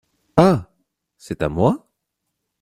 Ah ! c’est à moi ?…